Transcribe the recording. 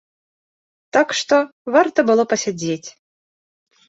Так што, варта было пасядзець.